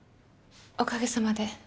おかげさまで。